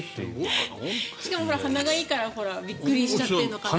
しかも、鼻がいいからびっくりしちゃってるのかなって。